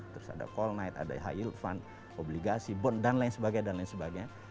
terus ada call night ada hig yield fund obligasi bond dan lain sebagainya